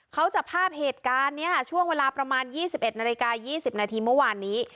เขาจะภาพเหตุการณ์เนี่ยช่วงเวลาประมาณยี่สิบเอ็ดนรกษ์ยี่สิบนาทีเมื่อวานนี้